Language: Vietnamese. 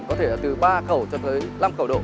có thể là từ ba khẩu cho tới năm khẩu độ